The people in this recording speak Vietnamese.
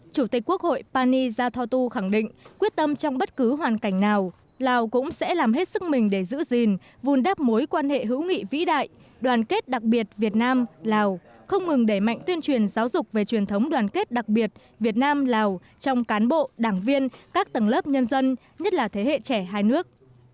chủ tịch quốc hội pani zathotu khẳng định quyết tâm trong bất cứ hoàn cảnh nào lào cũng sẽ làm hết sức mình để giữ gìn vùn đáp mối quan hệ hữu nghị vĩ đại đoàn kết đặc biệt việt nam lào không ngừng để mạnh tuyên truyền giáo dục về truyền thống đoàn kết đặc biệt việt nam lào trong cán bộ đảng viên các tầng lớp nhân dân nhất là thế hệ trẻ hai nước